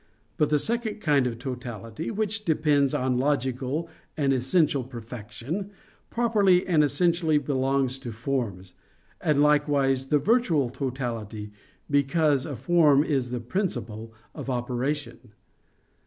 But the second kind of totality, which depends on logical and essential perfection, properly and essentially belongs to forms: and likewise the virtual totality, because a form is the principle of operation.